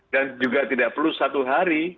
dan juga tidak perlu satu hari